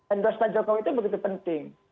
endorse pak jokowi itu begitu penting